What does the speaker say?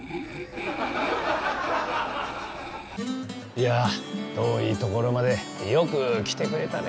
いやあ遠い所までよく来てくれたね。